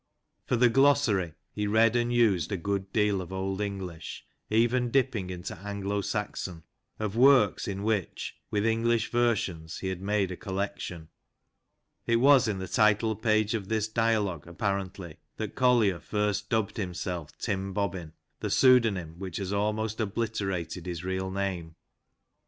For the glossary, he read and used a good deal of old English, even dipping into Anglo Saxon, of works in which, with English versions, he had made a collection. It was in the title page of this dialogue, apparently, that Collier first dubbed himself " Tim Bobbin," the pseudonym which has almost obliterated his real name.